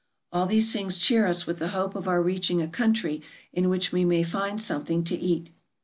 All these things cheer us with the hope of our reaching a country in which we may find something to eat.